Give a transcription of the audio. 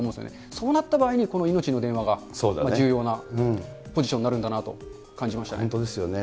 そうなった場合にこのいのちの電話が重要なポジションになるんだ本当ですよね。